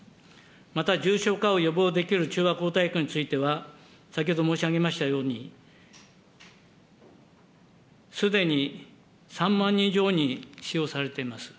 また、重症化を予防できる中和抗体薬については、先ほど申し上げましたように、すでに３万人以上に使用されております。